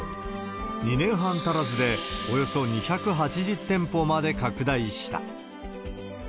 ２年半足らずでおよそ２８０店舗まで拡大した。